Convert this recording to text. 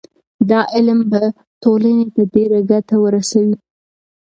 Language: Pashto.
دا علم به ټولنې ته ډېره ګټه ورسوي.